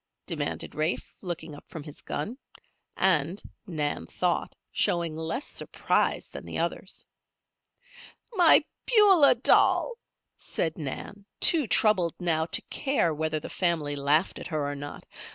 demanded Rafe, looking up from his gun and, Nan thought, showing less surprise than the others. "My Beulah doll," said Nan, too troubled now to care whether the family laughed at her or not.